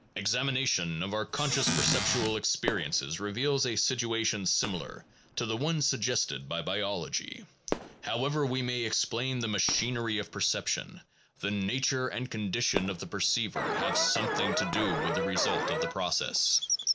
Examination of our conscious perceptual experiences reveals a situation similar to the one suggested by biology. However we may explain the machinery of perception, the nature and con dition of the perceiver have something to do with the result of the process.